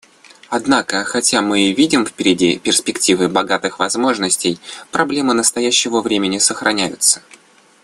Однако хотя мы видим впереди перспективы богатых возможностей, проблемы настоящего времени сохраняются.